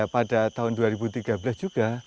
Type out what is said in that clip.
pada tahun dua ribu tiga belas juga